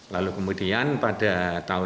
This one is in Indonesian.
lalu kemudian pada tahun dua ribu sembilan belas